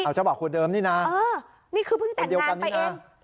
อ้าวเจ้าเบ่าคุณเดิมนี่น่ะเออนี่คือเพิ่งแต่งงานไปเองเป็นเดียวกันนี่น่ะ